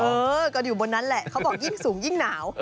เออก็อยู่บนนั้นแหละเขาบอกยิ่งสูงยิ่งหนาว